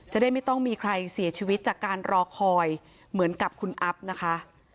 จะได้ไม่ต้องมีใครเสียชีวิตจากการรอคอยเหมือนกับคุณอัพนะคะ